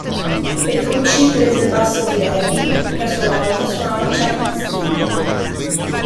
Petrucci prese il basso di Levin, che a sua volta suonò lo Chapman Stick.